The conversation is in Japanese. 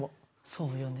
そうよね。